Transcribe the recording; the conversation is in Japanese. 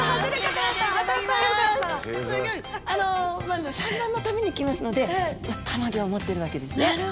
まず産卵のために来ますので卵を持ってるわけですね。